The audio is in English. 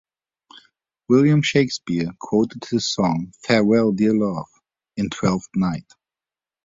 William Shakespeare quoted his song, 'Farewell, dear love', in Twelfth Night.